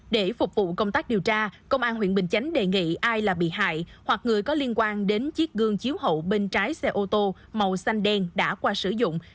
để phục vụ công tác điều tra công an huyện bình chánh đề nghị ai là bị hại hoặc người có liên quan đến chiếc gương chiếu hậu bên trái xe ô tô màu xanh đen đã qua sử dụng